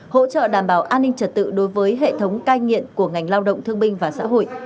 hỗ trợ đảm bảo an ninh trật tự đối với hệ thống cai nghiện của ngành lao động thương binh và xã hội